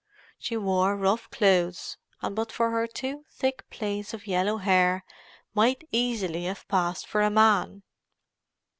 She wore rough clothes, and but for her two thick plaits of yellow hair, might easily have passed for a man.